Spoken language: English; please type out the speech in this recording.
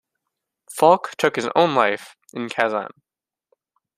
Falk took his own life in Kazan.